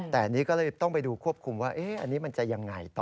แต่อันนี้ก็เลยต้องไปดูควบคุมว่าอันนี้มันจะยังไงต่อ